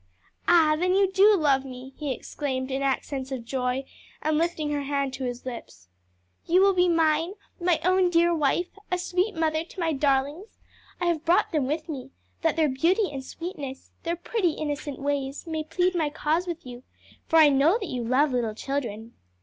"Ah, then you do love me!" he exclaimed, in accents of joy, and lifting her hand to his lips. "You will be mine? my own dear wife? a sweet mother to my darlings. I have brought them with me, that their beauty and sweetness, their pretty innocent ways, may plead my cause with you, for I know that you love little children."